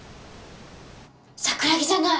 桜木じゃない！